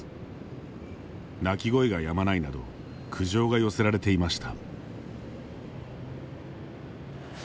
泣き声がやまないなど苦情が寄せられていました。